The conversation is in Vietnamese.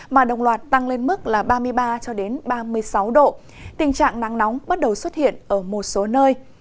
mà đồng loạt tăng lên mức là ba mươi ba ba mươi sáu độ tình trạng nắng nóng bắt đầu xuất hiện ở một số nơi